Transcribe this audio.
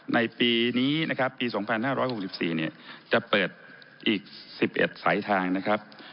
ในปีนี้นะครับปี๒๕๖๔จะเปิดอีก๑๑สายทางนะครับ